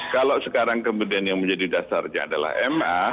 kalau sekarang kemudian yang menjadi dasarnya adalah ma